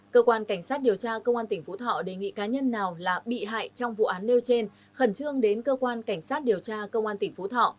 cơ quan cảnh sát điều tra công an tỉnh phú thọ đề nghị cá nhân nào là bị hại trong vụ án nêu trên khẩn trương đến cơ quan cảnh sát điều tra công an tỉnh phú thọ